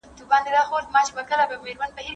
معنوي ژوند انسان ته ارامښت بخښي.